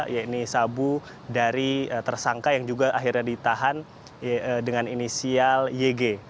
yaitu sabu dari tersangka yang juga akhirnya ditahan dengan inisial yg